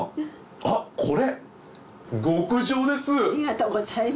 あっこれ極上です。